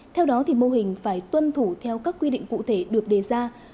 theo đó mô hình phải tuân thủ theo các quy định cụ thể được đề ra